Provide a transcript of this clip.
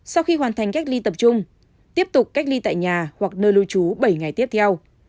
sau khi hoàn thành cách ly tập trung tiếp tục cách ly tại nhà hoặc nơi lưu trú bảy ngày tiếp theo